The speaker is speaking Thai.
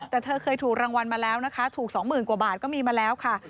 แต่เธอเคยถูกรางวัลมาแล้วนะคะถูก๒๐๐๐กว่าบาทก็มีมาแล้วค่ะ